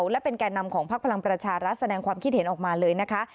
และเป็นแก่นำของพักพลังประชารัฐแสดงความคิดเห็นออกมาเลยนะคะ